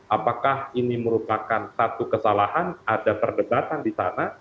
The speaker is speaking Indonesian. apakah ini merupakan satu kesalahan ada perdebatan di sana